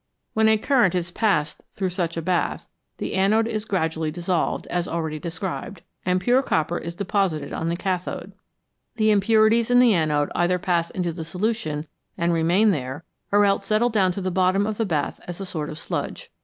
When a current is passed through such a bath, the anode is gradually dissolved, as already described, and pure copper is de posited on the cathode. The impurities in the anode either pass into the solution and remain there, or else settle down to the bottom of the bath as a sort of sludge.